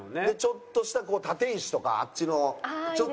ちょっとした立石とかあっちのちょっとね？